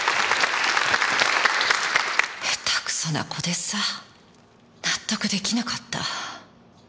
へたくそな子でさ納得出来なかった。